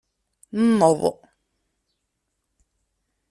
Nneḍ.